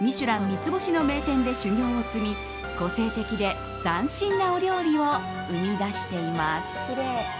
三つ星の名店で修業を積み個性的で斬新なお料理を生み出しています。